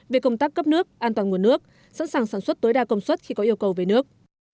về công tác cấp nước an toàn nguồn nước sẵn sàng sản xuất tối đa công suất khi có yêu cầu về nước